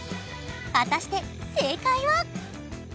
果たして正解は？